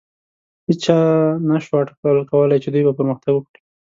هېچا نهشو اټکل کولی، چې دوی به پرمختګ وکړي.